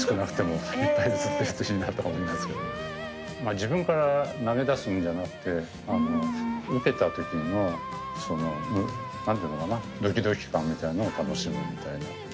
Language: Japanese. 自分から投げ出すんじゃなくてあの受けた時のその何て言うのかなドキドキ感みたいのを楽しむみたいな。